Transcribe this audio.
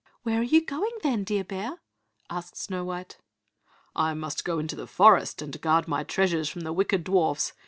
"Where are you going, then, dear bear?" asked Snow white. "I must go into the forest and guard my treasures from the wicked dwarfs.